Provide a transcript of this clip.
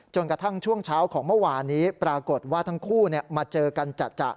กระทั่งช่วงเช้าของเมื่อวานนี้ปรากฏว่าทั้งคู่มาเจอกันจัด